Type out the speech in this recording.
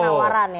itu penawaran ya